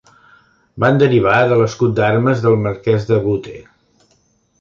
Van derivar de l'escut d'armes del marqués de Bute.